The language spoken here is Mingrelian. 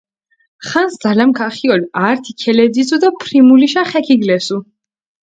ხანს ძალამქ ახიოლ, ართი ქელეძიცუ დო ფრიმულიშა ხე ქიგლესუ.